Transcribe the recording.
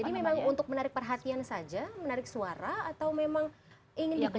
jadi memang untuk menarik perhatian saja menarik suara atau memang ingin digunakan